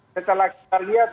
setelah kita lihat